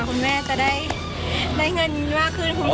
คุณแม่จะได้ได้เงินมากขึ้นคุณพ่อ